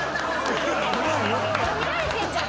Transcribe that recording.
見られてんじゃん。